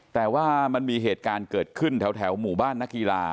แต่ว่ามันมีเหตุการณ์เกิดขึ้นแถวหมู่บ้านนักกีฬา